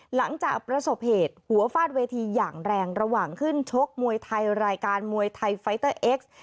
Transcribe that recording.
หลังจากประสบเหตุหัวฟาดเวทีอย่างแรงระหว่างขึ้นชกมวยไทยรายการมวยไทยไฟเตอร์เอ็กซ์